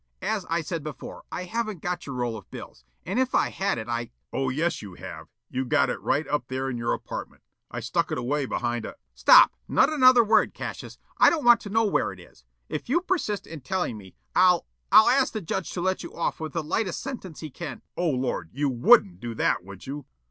As I said before, I haven't your roll of bills, and if I had it I " "Oh, yes, you have. You got it right up there in your apartment. I stuck it away behind a " "Stop! Not another word, Cassius. I don't want to know where it is. If you persist in telling me, I'll I'll ask the judge to let you off with the lightest sentence he can " "Oh, Lord, you WOULDN'T do that, would you?"